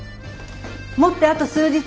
もってあと数日。